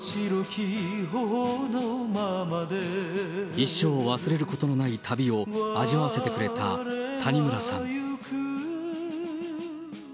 一生忘れることのない旅を味わわせてくれた谷村さん。